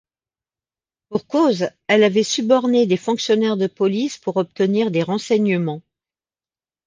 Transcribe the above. Pour cause, elle avait suborné des fonctionnaires de police pour obtenir des renseignements.